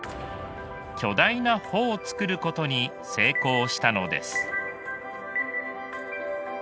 巨大な帆を作ることに成功したのです。